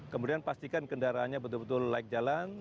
kemudian pastikan kendaraannya betul betul like jalan